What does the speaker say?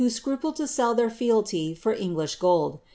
9 scnipled to sell their fealty for English gold.